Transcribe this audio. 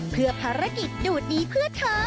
เพื่อภารกิจดูดนี้เพื่อเธอ